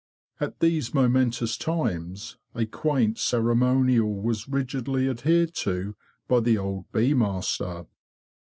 At these momentous times a quaint ceremonial was rigidly adhered to by the old bee master.